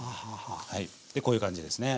でこういう感じですね。